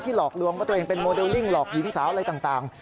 หลอกลวงว่าตัวเองเป็นโมเดลลิ่งหลอกหญิงสาวอะไรต่าง